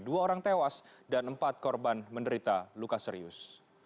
dua orang tewas dan empat korban menderita luka serius